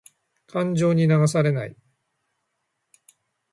感情に流されない。